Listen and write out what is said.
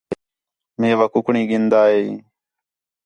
میوا کُکڑیں گِھندا ہیں